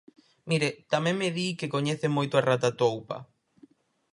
Mire, tamén me di que coñecen moito a rata toupa.